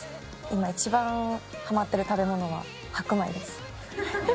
今一番はまっている食べ物は、白米です。